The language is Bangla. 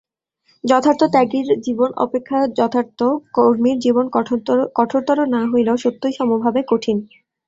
যথার্থ ত্যাগীর জীবন অপেক্ষা যথার্থ কর্মীর জীবন কঠোরতর না হইলেও সত্যই সমভাবে কঠিন।